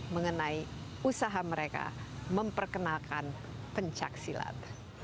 mengenai usaha mereka memperkenalkan pencaksilat